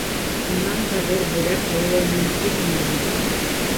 Унан да ҙур бүләк булыуы мөмкинме ни?!